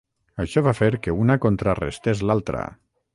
Això va fer que una contrarestés l'altra.